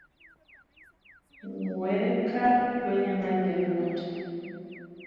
Weka kwenye maji ya moto